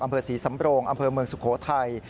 อำเภอศรีสำโรงอำเภอเมืองสุโขทัย